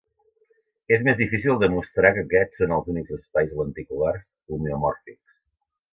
És més difícil demostrar que aquests són els únics espais lenticulars homeomòrfics.